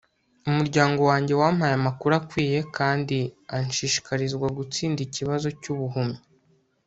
umuryango wanjye wampaye amakuru akwiye kandi anshishikarizwa gutsinda ikibazo cy'ubuhumyi